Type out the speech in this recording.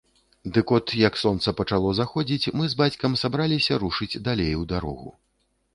Дык от, як сонца пачало заходзіць, мы з бацькам сабраліся рушыць далей у дарогу.